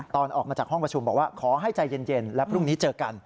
ตอนออกมาจากห้องประชุมบอกว่าขอให้ใจเย็นและพรุ่งนี้เจอกัน